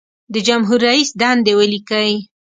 د جمهور رئیس دندې ولیکئ.